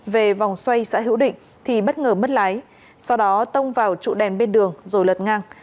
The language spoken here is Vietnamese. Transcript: về vòng xoay xã hữu định thì bất ngờ mất lái sau đó tông vào trụ đèn bên đường rồi lật ngang